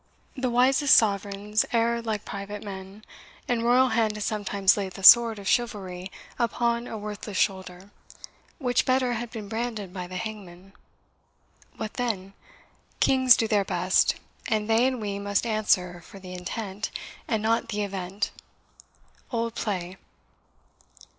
The wisest Sovereigns err like private men, And royal hand has sometimes laid the sword Of chivalry upon a worthless shoulder, Which better had been branded by the hangman. What then? Kings do their best; and they and we Must answer for the intent, and not the event. OLD PLAY.